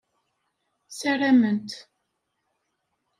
Ssarament.